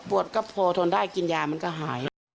ก็พอทนได้กินยามันก็หาย